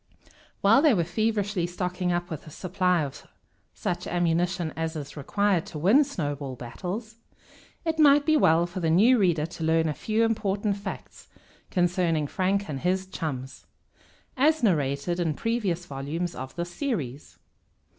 While they are feverishly stocking up with a supply of such ammunition as is required to win snowball battles, it might be well for the new reader to learn a few important facts concerning Frank and his chums, as narrated in previous volumes of this series.